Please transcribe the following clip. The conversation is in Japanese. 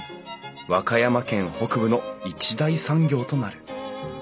和歌山県北部の一大産業となる。